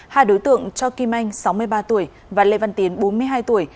hai đối tượng cho kim anh sáu mươi ba tuổi và lê văn tiến bốn mươi hai tuổi